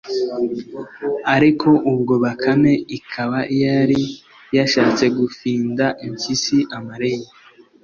ariko ubwo bakame ikaba yari yashatse gufinda impyisi amarenga